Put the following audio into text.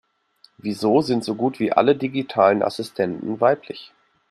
Wieso sind so gut wie alle digitalen Assistenten weiblich?